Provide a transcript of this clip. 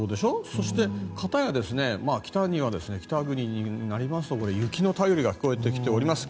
そして、片や北国になりますと雪の便りが聞こえてきております。